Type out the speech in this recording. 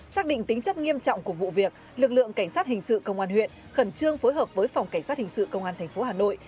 xác định tính chất nghiêm trọng của vụ việc lực lượng cảnh sát hình sự công an huyện khẩn trương phối hợp với phòng cảnh sát hình sự công an tp hà nội